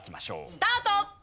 スタート！